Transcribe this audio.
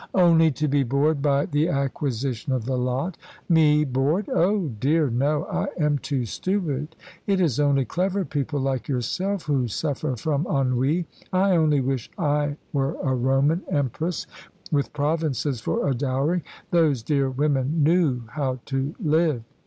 "Only to be bored by the acquisition of the lot." "Me bored oh dear no! I am too stupid. It is only clever people like yourself who suffer from ennui. I only wish I were a Roman empress, with provinces for a dowry. Those dear women knew how to live."